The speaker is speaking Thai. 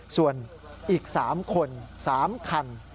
ส่วนอีกสามคนสามคัน